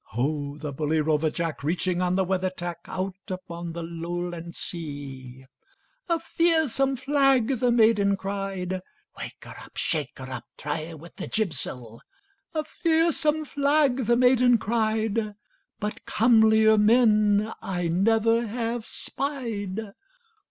Ho, the bully rover Jack, Reaching on the weather tack, Out upon the Lowland sea! 'A fearsome flag!' the maiden cried— Wake her up! Shake her up! Try her with the jibsail! 'A fearsome flag!' the maiden cried, But comelier men I never have spied!